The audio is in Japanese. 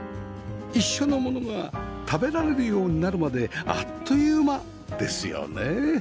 一緒のものが食べられるようになるまであっという間ですよね